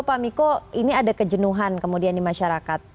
pak miko ini ada kejenuhan kemudian di masyarakat